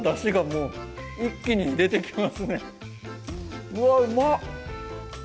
うわうまっ！